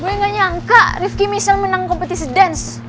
gue gak nyangka rifki michelle menang kompetisi dance